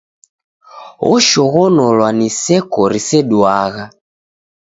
Oshoghonolwa ni seko riseduagha!